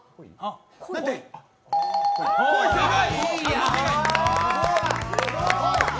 正解！